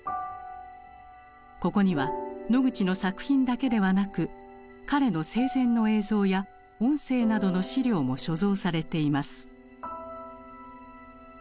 ここにはノグチの作品だけではなく彼の生前の映像や音声などの資料も所蔵されています。